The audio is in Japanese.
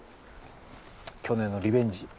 去年のリベンジ。